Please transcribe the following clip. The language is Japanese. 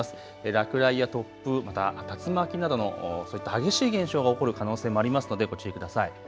落雷やや突風、また竜巻などの激しい現象が起こる可能性もありますのでご注意ください。